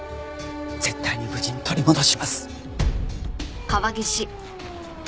絶対に無事に取り戻します。